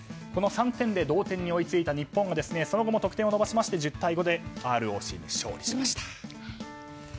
３点で同点に追いついた日本はその後も得点を伸ばしまして１０対５でＲＯＣに勝利。